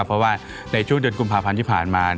เพราะว่าในช่วงเดือนกุมภาพันธ์ที่ผ่านมา